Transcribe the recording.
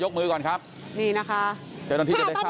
อยู่ในแนวด้านข้างนะคะพร้อมกับให้ยกมือค่ะ